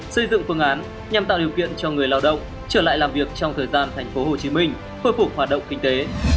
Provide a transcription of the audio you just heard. xây dựng phương án nhằm tạo điều kiện cho người lao động trở lại làm việc trong thời gian tp hcm khôi phục hoạt động kinh tế